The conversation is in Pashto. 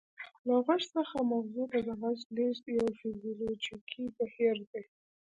له غوږ څخه مغزو ته د غږ لیږد یو فزیولوژیکي بهیر دی